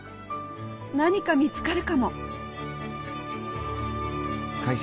何か見つかるかも！